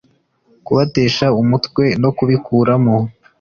kubatesha umutwe no kubikuramo